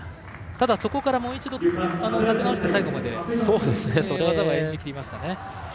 ただそこからもう一度立て直して最後まで技は演じきりました。